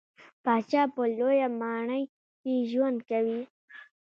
پاچا په لويه ماڼۍ کې ژوند کوي .